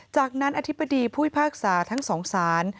จากนั้นอธิบดีผู้พิพากษาทั้งสองศาล